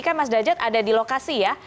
kan mas dajat ada di lokasi ya